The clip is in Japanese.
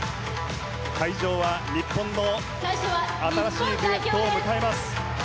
会場は日本の新しいデュエットを迎えます。